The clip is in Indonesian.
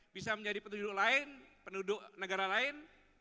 bisa menjadi penduduk lain penduduk negara lain